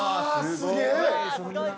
すげえ。